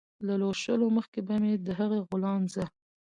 له لوشلو مخکې به مې د هغې غولانځه